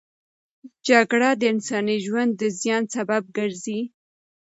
جګړه د انساني ژوند د زیان سبب ګرځي.